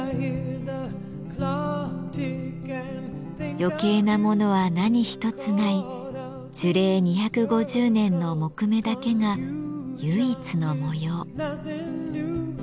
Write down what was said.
余計なものは何一つない樹齢２５０年の木目だけが唯一の模様。